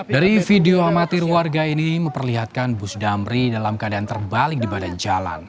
dari video amatir warga ini memperlihatkan bus damri dalam keadaan terbalik di badan jalan